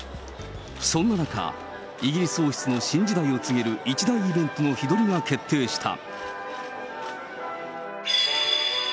そんな中、イギリス王室の新時代を告げる一大イベントの日取りが決定した。